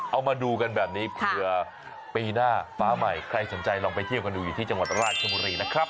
เอามาดูกันแบบนี้เผื่อปีหน้าฟ้าใหม่ใครสนใจลองไปเที่ยวกันดูอยู่ที่จังหวัดราชบุรีนะครับ